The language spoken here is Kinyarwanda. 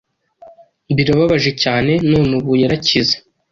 birabaje cyane none ubu yarakize